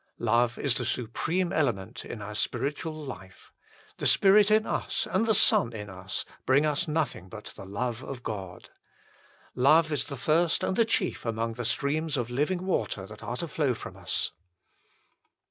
Love is the supreme element in our spiritual life. The Spirit in us and the Son in us bring us nothing but the love of God. Love is the first and the chief among the streams of living water that are to flow from us.